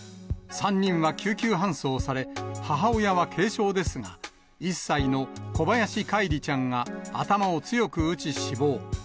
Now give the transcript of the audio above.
３人は救急搬送され、母親は軽傷ですが、１歳の小林叶一里ちゃんが頭を強く打ち死亡。